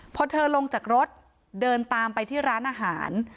พอเธอลงจากรถเดินตามไปที่ร้านอาหาร